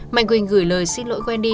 mạnh quỳnh gửi lời xin lỗi wendy